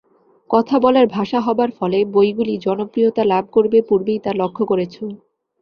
কথা-বলার ভাষা হবার ফলে বইগুলি জনপ্রিয়তা লাভ করবে, পূর্বেই তা লক্ষ্য করেছ।